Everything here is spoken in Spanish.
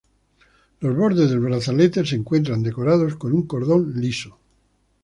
Los bordes del brazalete se encuentran decorados con un cordón liso.